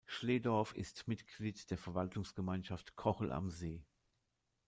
Schlehdorf ist Mitglied der Verwaltungsgemeinschaft Kochel am See.